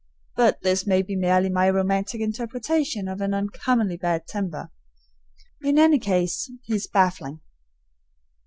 But this may be merely my romantic interpretation of an uncommonly bad temper. In any case, he's baffling.